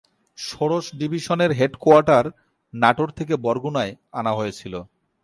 ষোড়শ ডিভিশনের হেডকোয়ার্টার নাটোর থেকে বরগুনায় আনা হয়েছিল।